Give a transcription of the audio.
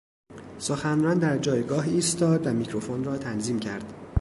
سخنران در جایگاه ایستاد و میکروفن را تنظیم کرد.